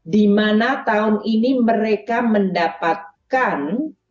di mana tahun ini mereka mendapatkan